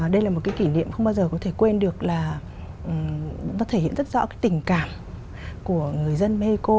đây là một cái kỷ niệm không bao giờ có thể quên được là nó thể hiện rất rõ cái tình cảm của người dân mexico